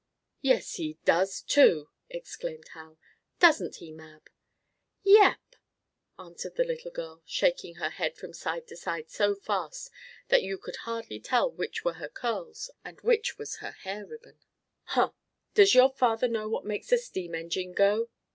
"Yes he does, too!" exclaimed Hal. Doesn't he, Mab?" "Yep!" answered the little girl, shaking her head from side to side so fast that you could hardly tell which were her curls and which was her hair ribbon. "Huh! Does your father know what makes a steam engine go?"